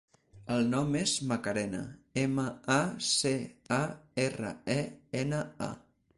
El nom és Macarena: ema, a, ce, a, erra, e, ena, a.